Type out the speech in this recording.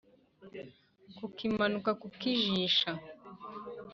kukimanika kukijisha